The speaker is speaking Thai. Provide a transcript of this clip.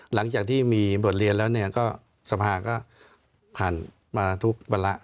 หลังจากที่มีบทเรียนแล้วก็สภาก็ผ่านมาทุกวาระ